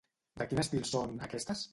De quin estil són, aquestes?